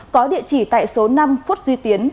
có địa chỉ tại số năm phút duy tiến